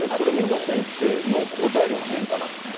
水野先生の抗体量の変化なんですが。